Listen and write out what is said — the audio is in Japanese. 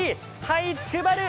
はいつくばる。